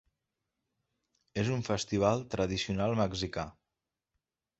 en un festival tradicional mexicà.